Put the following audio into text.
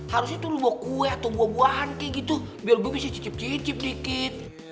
harusnya tuh lo bawa kue atau bawa buah hantik gitu biar gue bisa cicip cicip dikit